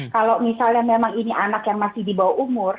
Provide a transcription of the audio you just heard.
kalau misalnya memang ini anak yang masih di bawah umur